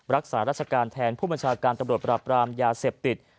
รักษาราชการแทนผู้บัญชาการตำรวจปราบรามยาเสพติด